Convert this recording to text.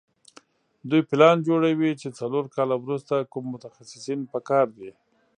دوی پلان جوړوي چې څلور کاله وروسته کوم متخصصین په کار دي.